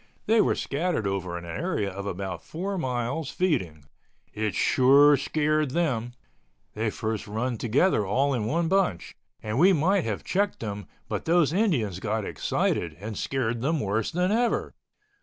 They were scattered over an area of about four miles feeding. It sure scared them. They first run together all in one bunch, and we might have checked them but those Indians got excited and scared them worse than ever.